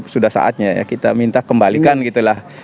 sudah saatnya ya kita minta kembalikan gitu lah